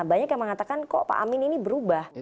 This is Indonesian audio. banyak yang mengatakan kok pak amin ini berubah